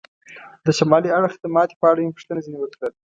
د شمالي اړخ د ماتې په اړه مې پوښتنه ځنې وکړل.